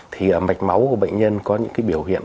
thì mạch máu của bệnh nhân có những cái biểu hiện